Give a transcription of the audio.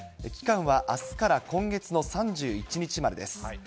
期間はあすから今月の３１日までです。